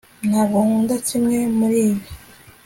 ntabwo nkunda kimwe muribi